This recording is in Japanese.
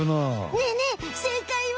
ねえねえ正解は？